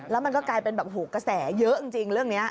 แล้วมันก็กลายเป็นแบบหูกระแสเยอะจริงเรื่องนี้